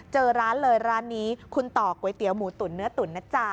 เจอร้านเลยร้านนี้คุณต่อก๋วยเตี๋ยหมูตุ๋นเนื้อตุ๋นนะจ๊ะ